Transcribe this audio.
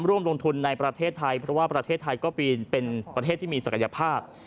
ร่วมลงทุนในประเทศไทยเพราะว่าประเทศไทยก็ปีนเป็นประเทศที่มีศักยภาพ